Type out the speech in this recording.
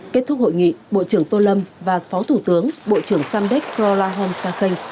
kết thúc hội nghị bộ trưởng tô lâm và phó thủ tướng bộ trưởng samdech krolahom sakhanh